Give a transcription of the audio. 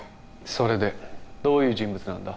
それでどういう人物なんだ？